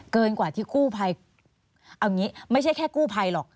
เกินกว่าที่กู้ภัยเอางี้ไม่ใช่แค่กู้ภัยหรอก